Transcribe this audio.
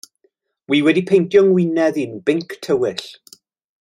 Wi wedi peinto 'ngwinedd i'n binc tywyll.